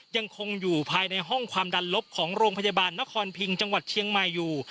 ยังคงอยู่ภายในห้องความดันลบของโรงพยาบาลนครพิงจังหวัดเชียงใหม่อยู่